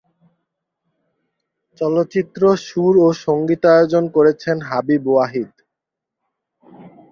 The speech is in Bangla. চলচ্চিত্র সুর ও সঙ্গীতায়োজন করেছেন হাবিব ওয়াহিদ।